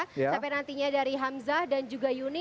sampai nantinya dari hamzah dan juga yuni